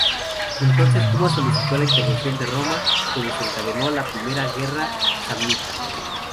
Entonces Cumas solicitó la intervención de Roma, que desencadenó la primera guerra samnita.